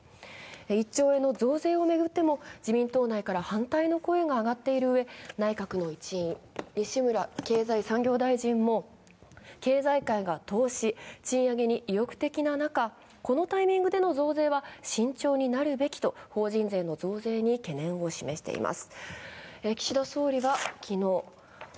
１兆円の増税を巡っても自民党内から反対の声が上がっているうえ、内閣の一員、西村経済産業大臣も経済界が投資・賃上げに意欲的な中、このタイミングでの増税は慎重になるべきと法人税の増税に懸念を示しています。